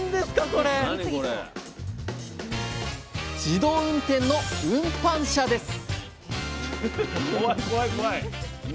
自動運転の運搬車です！